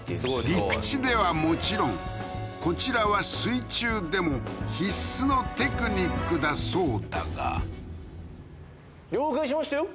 陸地ではもちろんこちらは水中でも必須のテクニックだそうだが了解しましたよ